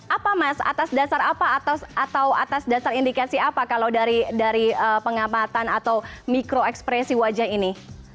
apa mas atas dasar apa atau atas dasar indikasi apa kalau dari pengamatan atau mikro ekspresi wajah ini